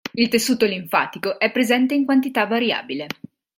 Il tessuto linfatico è presente in quantità variabile.